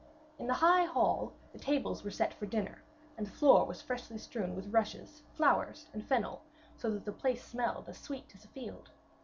In the high hall the tables were set for dinner, and the floor was freshly strewn with rushes, flowers and fennel, so that the place smelled as sweet as a field.